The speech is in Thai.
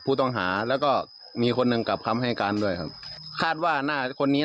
ผู้ต่องหาแล้วก็มีคนนึงกับคำให้การด้วยคาดว่าคนนี้